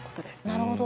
なるほど。